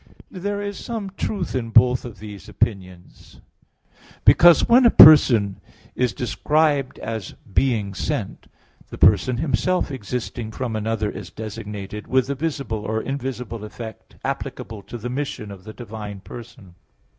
There is some truth in both of these opinions; because when a person is described as being sent, the person Himself existing from another is designated, with the visible or invisible effect, applicable to the mission of the divine person.